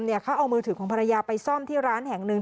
เขาเอามือถือของภรรยาไปซ่อมที่ร้านแห่งหนึ่ง